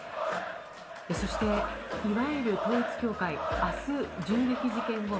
そして、いわゆる統一教会明日、銃撃事件後